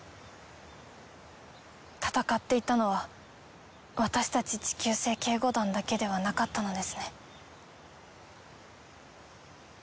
戦っていたのは私たち地球星警護団だけではなかったのですね。